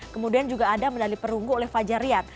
kemudian juga ada medali perunggu oleh fajarian